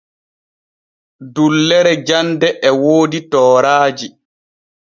Dullere jande e woodi tooraaji.